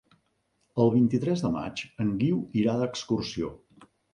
El vint-i-tres de maig en Guiu irà d'excursió.